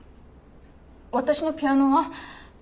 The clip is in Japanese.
私のピアノは？